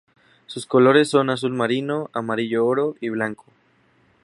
Sus colores son azul marino, amarillo oro y blanco.